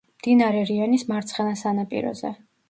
მდინარე რიონის მარცხენა სანაპიროზე.